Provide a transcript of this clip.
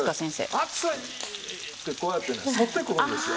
「熱い！」ってこうやってね反ってくるんですよ。